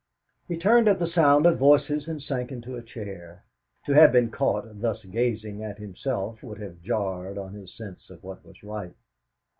He turned at the sound of voices and sank into a chair. To have been caught thus gazing at himself would have jarred on his sense of what was right.